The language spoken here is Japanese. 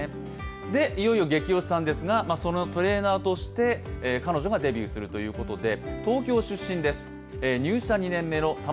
いよいよゲキ推しさんですが、トレーナーとして彼女がデビューするということです。